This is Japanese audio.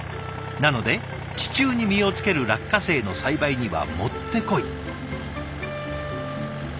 なので地中に実をつける落花生の栽培にはもってこい。